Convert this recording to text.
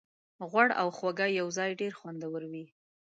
غوړ او خوږه یوځای ډېر خوندور وي.